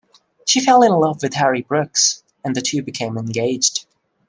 She fell in love with Harry Brookes, and the two became engaged.